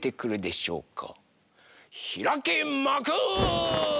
ひらけまく！